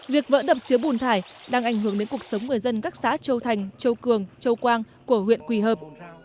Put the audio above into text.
việc vỡ đập chứa bùn thải đang ảnh hưởng đến cuộc sống người dân các xã châu thành châu cường châu quang của huyện quỳ hợp